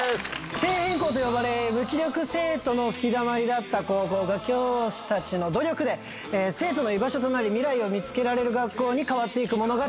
底辺校と呼ばれ無気力生徒の吹きだまりだった高校が教師たちの努力で生徒の居場所となり未来を見つけられる学校に変わって行く物語